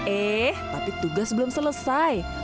eh tapi tugas belum selesai